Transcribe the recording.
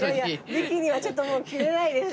ビキニはちょっともう着れないですね。